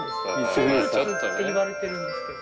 生物って言われてるんですけど。